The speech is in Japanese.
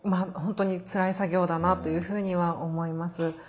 本当につらい作業だなというふうには思います。